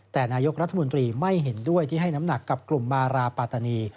แต่นายกรัฐมนตรีไม่เห็นด้วยที่ให้น้ำหนักกับกลุ่มมาราปาตานี